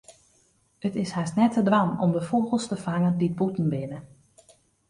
It is hast net te dwaan om de fûgels te fangen dy't bûten binne.